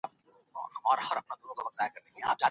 هغه دی دوی دي .